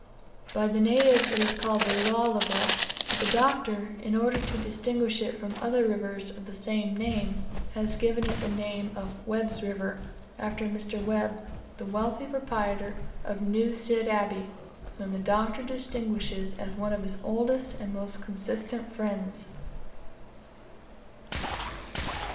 By the natives it is called the Lualaba, but the Doctor, in order to distinguish it from other rivers of the same name, has given it the name of "Webb's River," after Mr. Webb, the wealthy proprietor of Newstead Abbey, whom the Doctor distinguishes as one of his oldest and most consistent friends.